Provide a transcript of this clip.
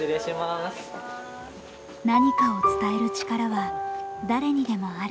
何かを伝える力は誰にでもある。